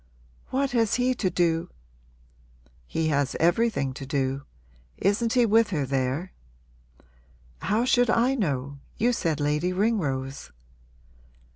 'What has he to do ?' 'He has everything to do. Isn't he with her there?' 'How should I know? You said Lady Ringrose.'